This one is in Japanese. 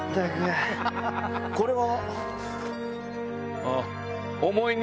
これは？